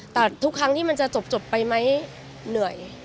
แต่ทุกครั้งที่มันจะจบไปไหมเหนื่อย